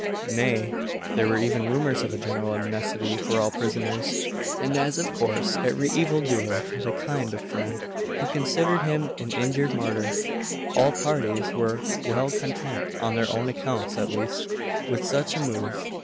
Nay, there were even rumours of a general amnesty for all prisoners; and as, of course, every evil doer had a kind of friend, who considered him an injured martyr, all parties were well content, on their own accounts at least, with such a move.